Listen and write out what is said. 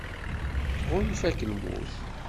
Tɣunfa-k lmut.